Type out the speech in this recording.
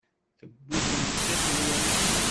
Tewwi-kent tiṭ-nwent.